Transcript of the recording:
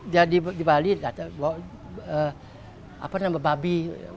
jadi di bali apa namanya babi